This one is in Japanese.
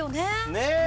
ねえ！